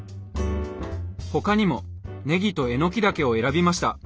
他にもねぎとえのきだけを選びました。